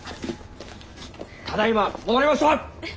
ただいま戻りました！